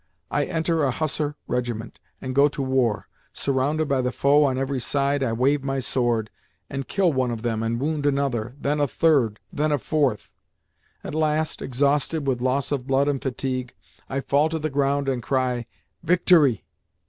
I enter a hussar regiment and go to war. Surrounded by the foe on every side, I wave my sword, and kill one of them and wound another—then a third,—then a fourth. At last, exhausted with loss of blood and fatigue, I fall to the ground and cry, "Victory!"